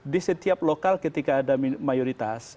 di setiap lokal ketika ada mayoritas